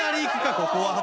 ここは白。